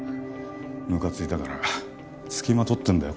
むかついたから付きまとってるんだよ